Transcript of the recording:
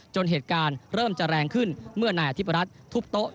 เหตุการณ์เริ่มจะแรงขึ้นเมื่อนายอธิบรัฐทุบโต๊ะ